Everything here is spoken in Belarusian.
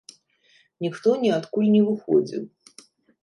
Ніхто ніадкуль не выходзіў.